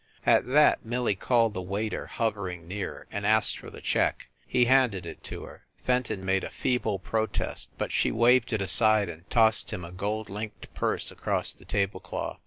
At that, Millie called the waiter hovering near, and asked for the check. He handed it to her. Fen ton made a feeble protest, but she waved it aside, and tossed him a gold linked purse across the table cloth.